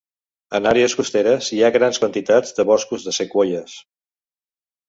En àrees costeres hi ha grans quantitats de boscos de sequoies.